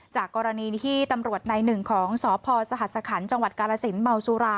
จากกรณีที่ตำรวจในหนึ่งของสพสหัสคันจังหวัดกาลสินเมาสุรา